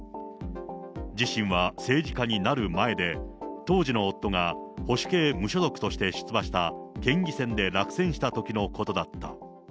自身は政治家になる前で、当時の夫が保守系無所属として出馬した県議選で落選したときのことだった。